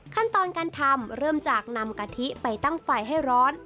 ขั้นตอนการทำเริ่มจากนำกะทิไปตั้งไฟให้ร้อน